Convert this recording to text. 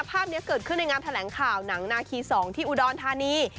ภาพนี้เกิดขึ้นในงานแถลงข่าวหนังนาคี๒ที่อุดรธานี